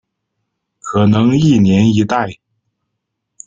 可能一年一代。